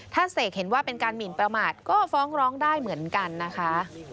ถ้าเสกเห็นว่าเป็นการหมินประมาทก็ฟ้องร้องได้เหมือนกันนะคะ